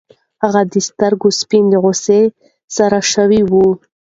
د هغه د سترګو سپین له غوسې سره شوي وو.